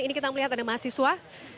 ini kita melihat ada mahasiswa